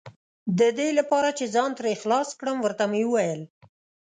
د دې لپاره چې ځان ترې خلاص کړم، ور ته مې وویل.